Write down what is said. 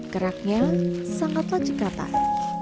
geraknya sangatlah cekatan